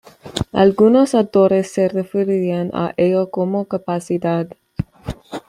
Algunos autores se refieren a ello como capacidad.